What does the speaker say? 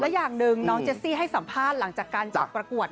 อย่างหนึ่งน้องเจสซี่ให้สัมภาษณ์หลังจากการจัดประกวด